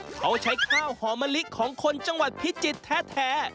เขาใช้ข้าวหอมะลิของคนจังหวัดพิจิตรแท้